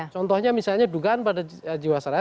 contohnya misalnya dugaan pada jiwa saraya